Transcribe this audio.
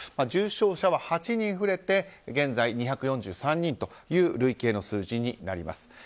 重症者は８人増えて現在、２４３人という累計の数字になります。